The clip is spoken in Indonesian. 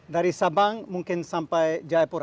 dari sabang mungkin sampai jayapura